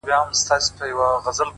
ه بيا دي ږغ کي يو عالم غمونه اورم؛